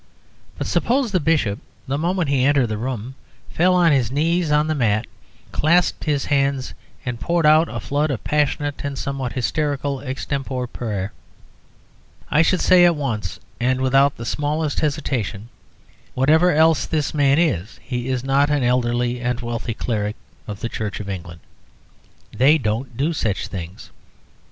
But suppose the Bishop, the moment he entered the room, fell on his knees on the mat, clasped his hands, and poured out a flood of passionate and somewhat hysterical extempore prayer, I should say at once and without the smallest hesitation, "Whatever else this man is, he is not an elderly and wealthy cleric of the Church of England. They don't do such things."